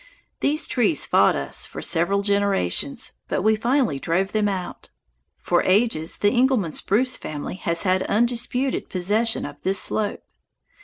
These trees fought us for several generations, but we finally drove them out. For ages the Engelmann spruce family has had undisputed possession of this slope.